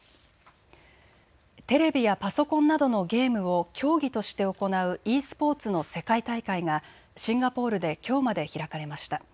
テレビやパソコンなどのゲームを競技として行うｅスポーツの世界大会がシンガポールできょうまで開かれました。